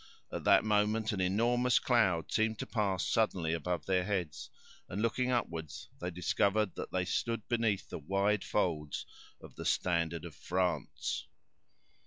At that moment an enormous cloud seemed to pass suddenly above their heads, and, looking upward, they discovered that they stood beneath the wide folds of the standard of France.